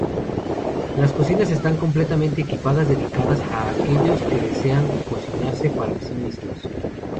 Las cocinas están completamente equipadas, dedicadas a aquellos que desean cocinarse para sí mismos.